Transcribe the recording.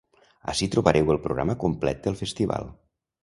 Ací trobareu el programa complet del festival.